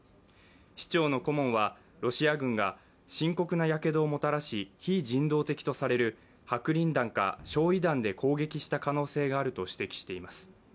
市長の顧問はロシア軍が深刻なやけどをもたらし、非人道的とされる白リン弾か焼い弾で攻撃した可能性があると指摘しています。